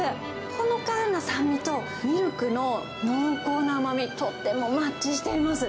ほのかな酸味と、ミルクの濃厚な甘み、とってもマッチしています。